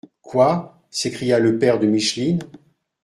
—Quoi !» s’écria le père de Micheline.